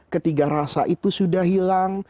ketiga rasa itu sudah hilang